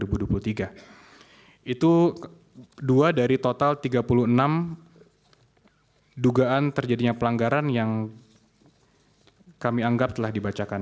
itu dua dari total tiga puluh enam dugaan terjadinya pelanggaran yang kami anggap telah dibacakan